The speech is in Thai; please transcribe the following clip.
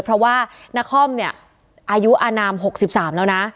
เพราะว่านาคอมเนี่ยอายุอานามหกสิบสามแล้วนะ